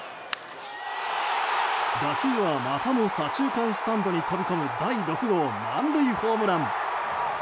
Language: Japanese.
打球はまたも左中間スタンドに飛び込む第６号満塁ホームラン。